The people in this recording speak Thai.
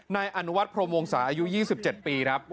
นายอนุวัตรโพรมวงสาอายุ๒๗ปี